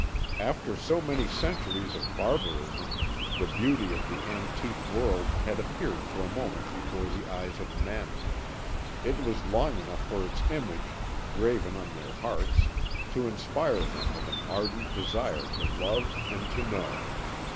After so many centuries of barbarism, the beauty of the antique world had appeared for a moment before the eyes of men; it was long enough for its image, graven on their hearts, to inspire them with an ardent desire to love and to know.